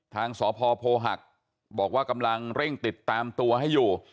ทางสพโพหักบอกว่ากำลังเร่งติดตามตัวให้อยู่